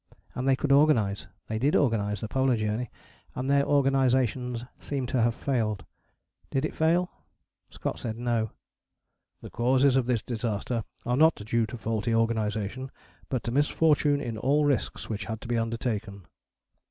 And they could organize: they did organize the Polar Journey and their organization seemed to have failed. Did it fail? Scott said No. "The causes of this disaster are not due to faulty organization, but to misfortune in all risks which had to be undertaken."